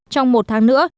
trong một tháng nữa